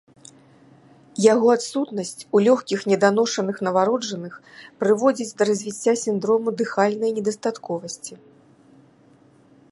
Яго адсутнасць у лёгкіх неданошаных нованароджаных прыводзіць да развіцця сіндрому дыхальнай недастатковасці.